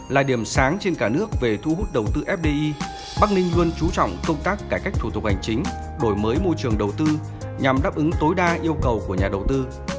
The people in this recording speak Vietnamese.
là điểm sáng trên cả nước về thu hút đầu tư fdi bắc ninh luôn trú trọng công tác cải cách thủ tục hành chính đổi mới môi trường đầu tư nhằm đáp ứng tối đa yêu cầu của nhà đầu tư